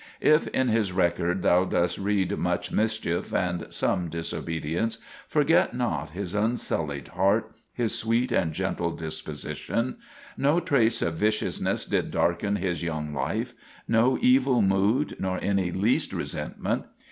If in his record thou dost read much mischief and some dis obedience, forget not his unsullied heart, his sweet and gentle disposition : no trace of viciousness did darken his young life, no evil mood, nor any least resentment.